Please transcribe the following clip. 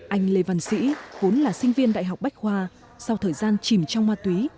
anh lê văn sĩ vốn là sinh viên đại học bách khoa sau thời gian chìm trong ma túy